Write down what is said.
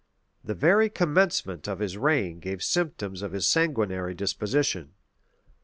The very commencement of his reign gave symptoms of his sanguinary disposition.